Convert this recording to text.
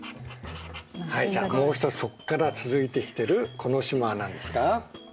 はいじゃあもう一つそこから続いてきてるこの島は何ですか？